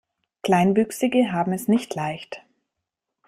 Kleinwüchsige haben es nicht leicht.